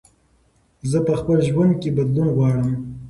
زه په خپل ژوند کې بدلون غواړم.